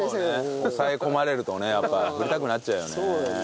抑え込まれるとねやっぱ振りたくなっちゃうよね。